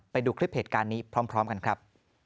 ไปดูคลิปเหตุการณ์นี้พร้อมกันครับ